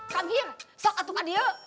come here sok atukah dia